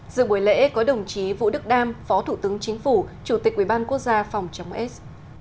giữa buổi lễ có đồng chí vũ đức đam phó thủ tướng chính phủ chủ tịch ubnd phòng chống s